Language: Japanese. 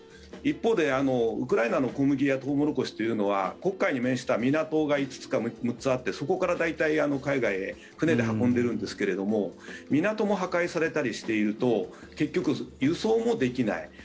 一方でウクライナの小麦やトウモロコシというのは黒海に面した港が５つか６つあってそこから大体、海外へ船で運んでるんですけれども港も破壊されたりしていると結局、輸送もできない。